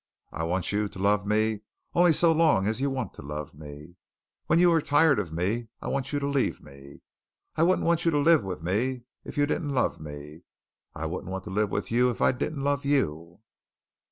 I want you to love me only so long as you want to love me. When you are tired of me, I want you to leave me. I wouldn't want you to live with me if you didn't love me. I wouldn't want to live with you if I didn't love you."